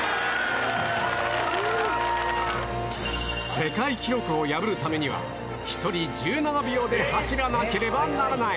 世界記録を破るためには、１人１７秒で走らなければならない。